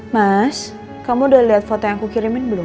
mas kamu udah lihat foto yang aku kirimin belum